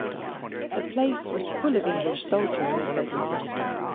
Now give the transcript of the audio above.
The place was full of English soldiery as they passed.